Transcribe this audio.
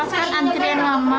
di puskesmas kan antrian lama